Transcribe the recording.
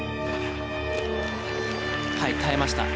はい耐えました。